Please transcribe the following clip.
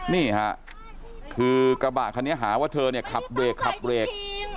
นี่ค่ะคือกระบะคันนี้หาว่าเธอเนี่ยขับเรกขับเบรก